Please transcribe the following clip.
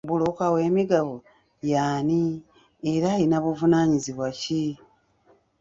Bbulooka w'emigabo y'ani era alina buvunaanyizibwa ki?